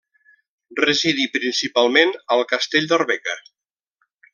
Residí principalment al castell d'Arbeca.